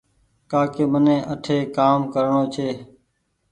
ڪآ ڪي مني آٺي ڪآم ڪرڻو ڇي